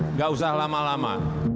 nggak usah lama lama